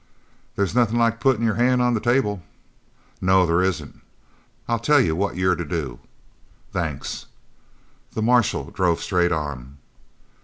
"There's nothin' like puttin' your hand on the table." "No, there isn't. I'll tell you what you're to do." "Thanks." The marshal drove straight on.